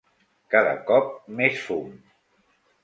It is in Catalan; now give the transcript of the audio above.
Cada cop més fum.